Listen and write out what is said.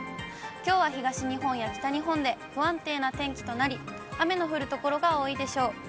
きょうは東日本や北日本で不安定な天気となり、雨の降る所が多いでしょう。